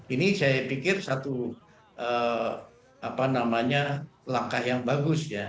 ini saya pikir satu langkah yang bagus ya